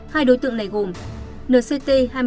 hai đối tượng này gồm